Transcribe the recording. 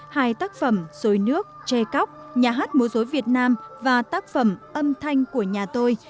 hai tác phẩm dối nước che cóc nhà hát múa dối việt nam và tác phẩm âm thanh của nhà tôi